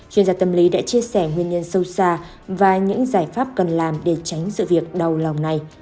chuyên gia tâm lý đã chia sẻ nguyên nhân sâu xa và những giải pháp cần làm để tránh sự việc đau lòng này